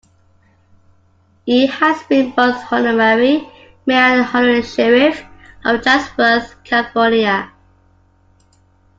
He has been both honorary mayor and honorary sheriff of Chatsworth, California.